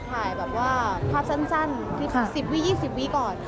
ถ่ายภาพสั้นคลิปสิบวิยี่สิบวิก่อน